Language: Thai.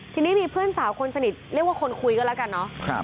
ทีนี้มีเพื่อนสาวคนสนิทเรียกว่าคนคุยกันแล้วกันเนาะ